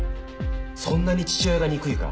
そんなに父親が憎いか？